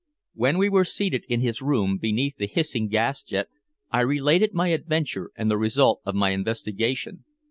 When we were seated in his room beneath the hissing gas jet, I related my adventure and the result of my investigation.